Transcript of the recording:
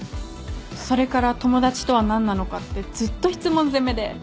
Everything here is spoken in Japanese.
それから友達とは何なのかってずっと質問攻めで。